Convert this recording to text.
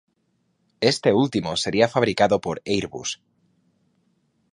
Este último sería fabricado por Airbus.